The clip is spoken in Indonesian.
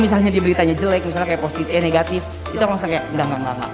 misalnya dia beritanya jelek misalnya kayak positif ya negatif itu kalau misalnya kayak nggak nggak nggak